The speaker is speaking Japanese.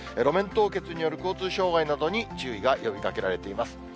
路面凍結による交通障害などに注意が呼びかけられています。